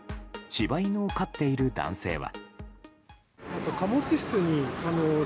柴犬を飼っている男性は。